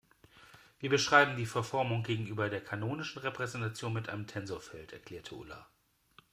Wir beschreiben die Verformung gegenüber der kanonischen Repräsentation mit einem Tensorfeld, erklärte Ulla.